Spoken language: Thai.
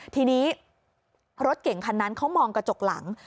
ทีนี้รถเก่งคันนั้นเขามองกระจกหลัง